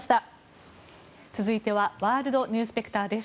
続いてはワールドニュースペクターです。